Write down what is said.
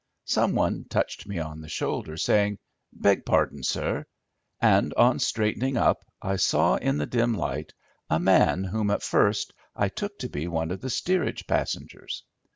Some one touched me on the shoulder, saying, "Beg pardon, sir;" and, on straightening up, I saw in the dim light a man whom at first I took to be one of the steerage passengers.